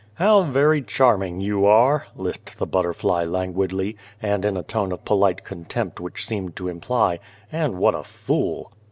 " How very charming you are !" lisped the butterfly languidly, and in a tone of polite contempt which seemed to imply, " And what a fool!"